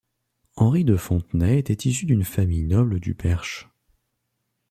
Henry de Fontenay était issu d'une famille noble du Perche.